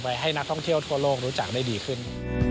ให้นักท่องเที่ยวทั่วโลกรู้จักได้ดีขึ้น